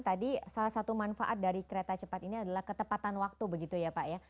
tadi salah satu manfaat dari kereta cepat ini adalah ketepatan waktu begitu ya pak ya